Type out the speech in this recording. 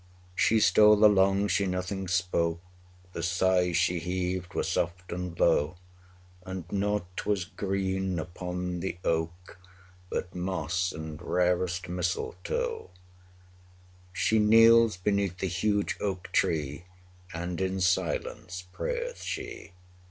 30 She stole along, she nothing spoke, The sighs she heaved were soft and low, And naught was green upon the oak But moss and rarest misletoe: She kneels beneath the huge oak tree, 35 And in silence prayeth she.